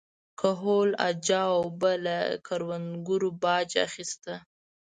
کهول اجاو به له کروندګرو باج اخیسته